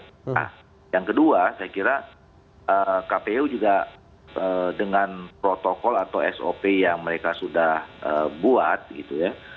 nah yang kedua saya kira kpu juga dengan protokol atau sop yang mereka sudah buat gitu ya